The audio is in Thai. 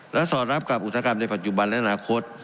และสอดรับกับอุตสาหกรรมในปัจจุบันและอนาคต